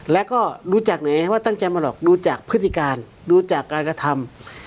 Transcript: แล้วก็ดูจากไหนว่าตั้งใจมาหลอกดูจากพฤติการดูจากการกระทำ